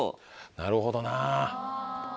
なるほどな。